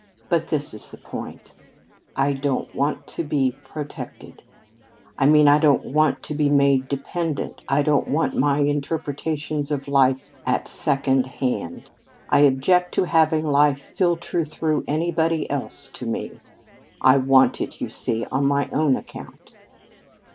"But this is the point: I don't want to be protected. I mean I don't want to be made dependent; I don't want my interpretations of life at second hand. I object to having life filter through anybody else to me; I want it, you see, on my own account."